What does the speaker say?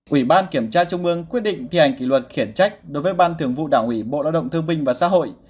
ủy ban kiểm tra trung ương quyết định thi hành kỷ luật khiển trách đối với ban thường vụ đảng ủy bộ lao động thương minh và xã hội